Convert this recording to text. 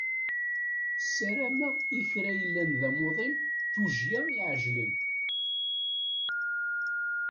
Ssarameɣ i kra yellan d amuḍin tujjya iɛejlen.